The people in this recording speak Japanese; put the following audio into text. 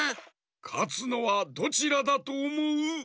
かつのはどちらだとおもう？